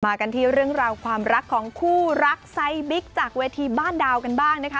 กันที่เรื่องราวความรักของคู่รักไซส์บิ๊กจากเวทีบ้านดาวกันบ้างนะคะ